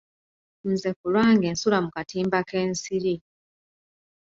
Nze ku lwange nsula mu katimba k'ensiri.